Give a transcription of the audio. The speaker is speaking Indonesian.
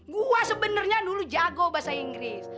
gua sebenarnya dulu jago bahasa inggris